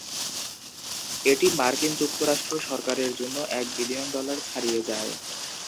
এটি মার্কিন যুক্তরাষ্ট্র সরকারের জন্য এক বিলিয়ন ডলার ছাড়িয়ে যায়।